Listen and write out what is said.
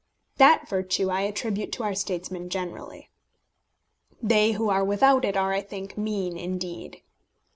That virtue I attribute to our statesmen generally. They who are without it are, I think, mean indeed.